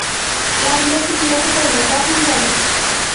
রাজলক্ষ্মী জিজ্ঞাসা করিলেন, কখন যাবি।